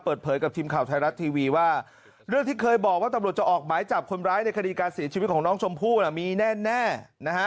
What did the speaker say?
เปิดเผยกับทีมข่าวไทยรัฐทีวีว่าเรื่องที่เคยบอกว่าตำรวจจะออกหมายจับคนร้ายในคดีการเสียชีวิตของน้องชมพู่น่ะมีแน่นะฮะ